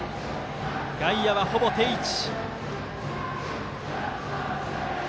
外野は、ほぼ定位置。